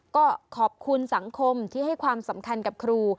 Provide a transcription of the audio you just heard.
ก็ขอบคุณสังคมที่ให้ความสำคัญกับครู